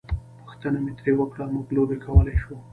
پوښتنه مې ترې وکړه: موږ لوبې کولای شو؟